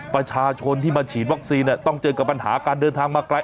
ประชาชนที่มาฉีดวัคซีนต้องเจอกับปัญหาการเดินทางมาไกล